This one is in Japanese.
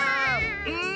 うん！